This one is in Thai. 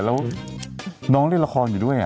แล้วน้องเล่นละครอยู่ด้วย